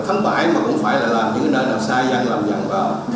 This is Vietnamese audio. tháng bảy mà cũng phải là làm những nơi nào sai dăng làm dặn vào